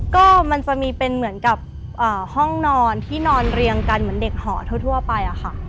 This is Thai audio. ก็มันจะมีเป็นเหมือนกับห้องนอนที่นอนเรียงกันเหมือนเด็กหอทั่วไปอะค่ะ